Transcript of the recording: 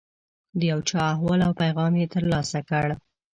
د یو چا احوال او پیغام یې ترلاسه کړ.